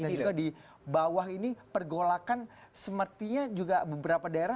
dan juga di bawah ini pergolakan sementara juga beberapa daerah